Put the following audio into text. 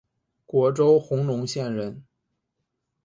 虢州弘农县人。